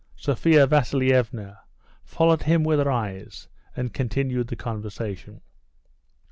Sophia Vasilievna followed him with her eyes and continued the conversation.